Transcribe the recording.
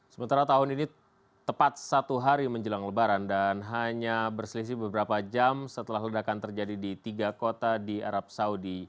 sementara tahun ini tepat satu hari menjelang lebaran dan hanya berselisih beberapa jam setelah ledakan terjadi di tiga kota di arab saudi